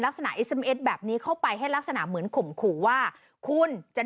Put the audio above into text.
ลักษณะเก็บนี้เข้าไปให้ลักษณะเหมือนขมคุว่าคุณจะดู